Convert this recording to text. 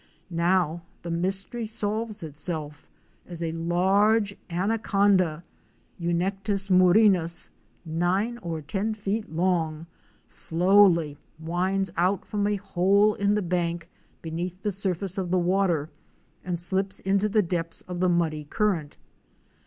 Now the mystery solves itself as a large anaconda (Hunectes murinus) nine or ten feet long, slowly winds out from a hole in the bank beneath the surface of the water and slips into the depths of the muddy current.